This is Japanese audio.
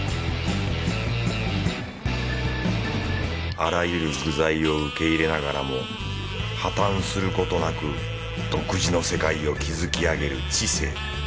あらゆる具材を受け入れながらも破綻することなく独自の世界を築き上げる知性。